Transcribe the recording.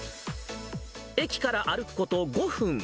駅から歩くこと５分。